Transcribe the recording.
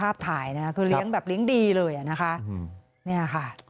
ภาพถ่ายนะคะคือเลี้ยงแบบเลี้ยงดีเลยอ่ะนะคะเนี่ยค่ะ